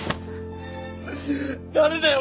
誰だよ！